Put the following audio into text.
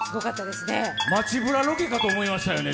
街ブラロケかと思いましたね。